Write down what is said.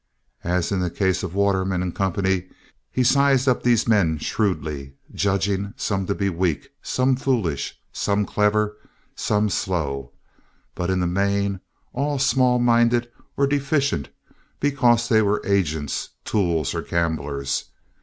As in the case of Waterman & Company, he sized up these men shrewdly, judging some to be weak, some foolish, some clever, some slow, but in the main all small minded or deficient because they were agents, tools, or gamblers.